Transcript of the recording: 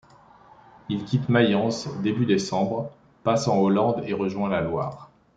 Il quitte Mayence début décembre, passe en Hollande et rejoint la Loire.